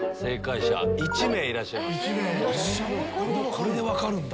これで分かるんだ！